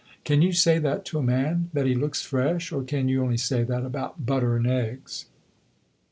Can you say that to a man that he looks fresh? Or can you only say that about butter and eggs?"